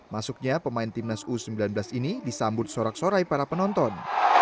masuknya pemain timnas u sembilan belas ini disambut sorak sorai para penonton